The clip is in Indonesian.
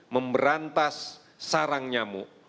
memberantas sarang nyamuk